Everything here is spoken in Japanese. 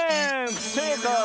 ふせいかい！